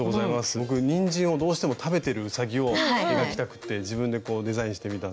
僕にんじんをどうしても食べてるうさぎを描きたくて自分でデザインしてみたんですけど。